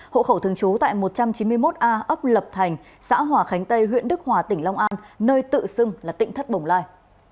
hộ khẩu thường trú tại một trăm chín mươi một a ấp lập thành xã hòa khánh tây huyện đức hòa tỉnh long an nơi tự xưng là tỉnh thất bồng lai